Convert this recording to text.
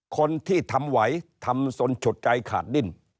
คนที่ทำไหวทำจนฉดใจขาดดิ้น